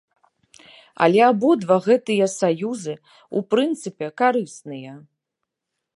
Але абодва гэтыя саюзы, у прынцыпе, карысныя.